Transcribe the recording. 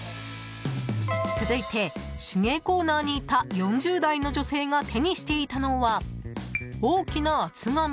続いて、手芸コーナーにいた４０代の女性が手にしていたのは大きな厚紙。